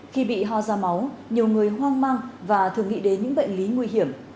khi bị ho ra máu nhiều người hoang mang và thường nghĩ đến những bệnh lý nguy hiểm